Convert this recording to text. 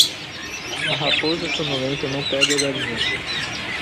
A raposa sonolenta não pega galinhas.